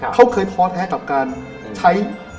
เขาเคยท้อแท้กับการใช้